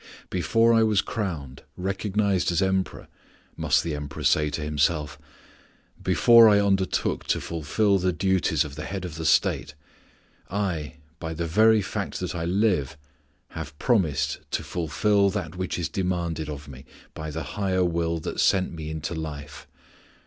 "Before I was crowned, recognized as Emperor," must the Emperor say to himself: "before I undertook to fulfil the duties of the head of the State, I, by the very fact that I live, have promised to fulfil that which is demanded of me by the Higher Will that sent me into life.